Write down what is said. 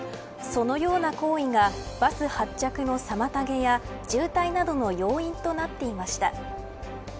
そのような行為がバス発着の妨げや渋滞などの要因となっていました